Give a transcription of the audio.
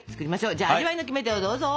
じゃあ味わいのキメテをどうぞ。